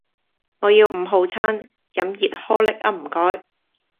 我要五號餐,飲熱可力呀唔該